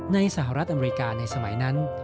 สหรัฐอเมริกาในสมัยนั้น